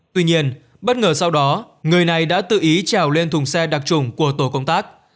tuy nhiên bất ngờ sau đó người này đã tự ý trèo lên thùng xe đặc trùng của tổ công tác